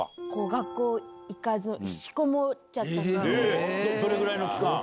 学校行かず、引きこもっちゃどれぐらいの期間？